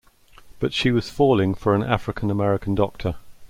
But she was falling for an African-American doctor.